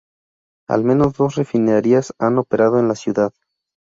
Al menos dos refinerías han operado en la ciudad.